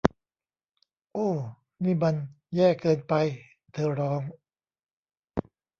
โอ้ นี่มัน แย่เกินไป ! เธอร้อง